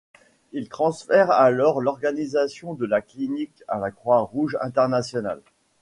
Il transfère alors l'organisation de la clinique à la Croix-Rouge internationale.